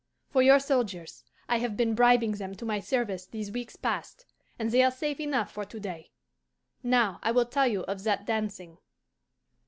For your soldiers, I have been bribing them to my service these weeks past, and they are safe enough for to day. Now I will tell you of that dancing.